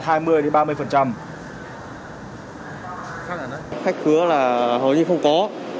khách khứa là hầu như không có